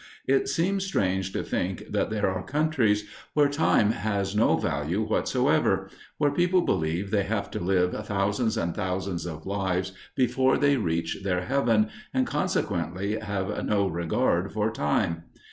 it seems strange to think that there are countries where time has no value whatsoever, where people believe they have to live thousands and thousands of lives before they reach their heaven, and, consequently, have no regard for time.